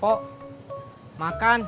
pok makan passengers